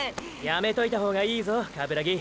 やめといた方がいいぞ鏑木。